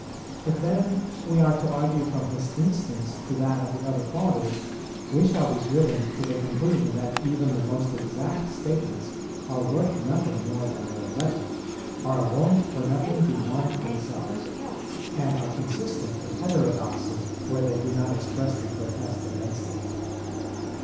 [20:1] If then we are to argue from his instance to that of the other Fathers, we shall be driven to the conclusion that even the most exact statements are worth nothing more than their letter, are a warrant for nothing beyond themselves, and are consistent with heterodoxy where they do not expressly protest against it.